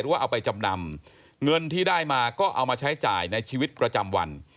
ว่าเอาไปจำนำเงินที่ได้มาก็เอามาใช้จ่ายในชีวิตประจำวัน